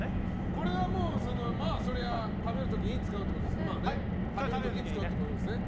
これはそりゃ食べる時に使うってことですね。